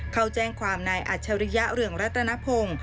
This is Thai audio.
เขาแจ้งความนายอัจฉริยะเรืองรัตนพงศ์